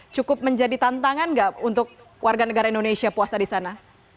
cukup menjadi tantangan nggak untuk warga negara indonesia puasa di sana